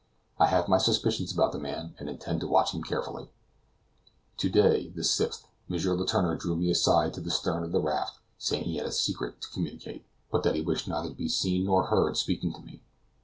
I have my suspicions about the man, and intend to watch him carefully. To day, the 6th, M. Letourneur drew me aside to the stern of the raft, saying he had a secret to communicate, but that he wished neither to be seen nor heard speaking to me.